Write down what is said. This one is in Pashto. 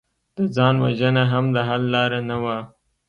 د ځان وژنه هم د حل لاره نه وه